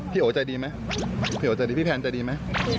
พี่โอ๋ใจดีไหมพี่แพนใจดีไหม